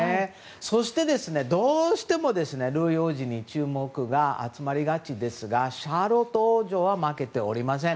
そして、どうしてもルイ王子に注目が集まりがちですがシャーロット王女も負けておりません。